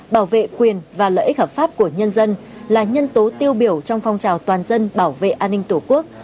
bảo vệ quyền và lợi ích hợp pháp của nhân dân là nhân tố tiêu biểu trong phong trào toàn dân bảo vệ an ninh tổ quốc